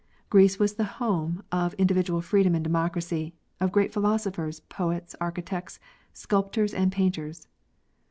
Greece was the home of individ ual freedom and democracy, of great philosophers, poets, archi tects, sculptors, and painters.